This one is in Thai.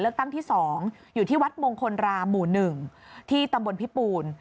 เลือกตั้งที่๒อยู่ที่วัดมงคลรามหมู่๑ที่ตำบลพิปูน